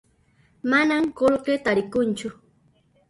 Manan qullqi tarikunchu